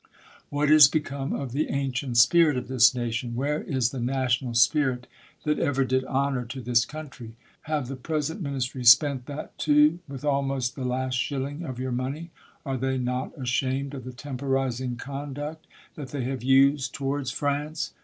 What is become of the ancient spirit of this nation? Where is the national spirit that ever did honor to this country? Have the present ministry spent that too, with almost the last shilling of your money ? Are they not ashamed of the temporizing conduct they have used towards France